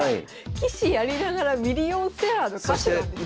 棋士やりながらミリオンセラーの歌手なんですか？